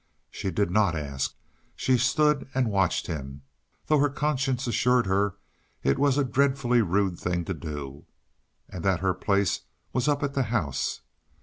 She did not ask; she stood and watched him, though her conscience assured her it was a dreadfully rude thing to do, and that her place was up at the house.